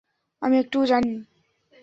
আমি এটুকুই জানি।